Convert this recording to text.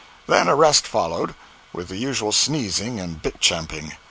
Then a rest followed, with the usual sneezing and bit champing.